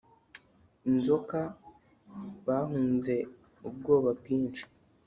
inzoka. bahunze ubwoba bwinshi